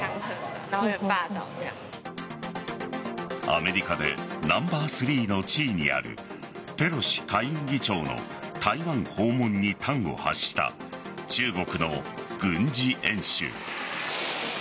アメリカでナンバー３の地位にあるペロシ下院議長の台湾訪問に端を発した中国の軍事演習。